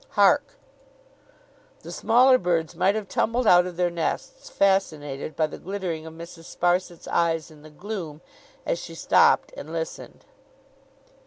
Hark! The smaller birds might have tumbled out of their nests, fascinated by the glittering of Mrs. Sparsit's eyes in the gloom, as she stopped and listened.